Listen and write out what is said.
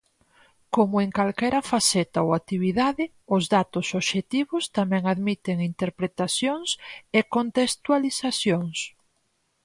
Como en calquera faceta ou actividade, os datos obxectivos tamén admiten interpretacións e contextualizacións.